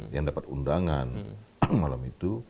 yang dapat undangan malam itu